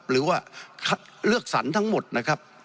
หรือว่าคัดเลือกสรรทั้งหมดนะครับ